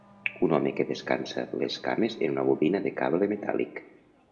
Un home que descansa les cames en una bobina de cable metàl·lic.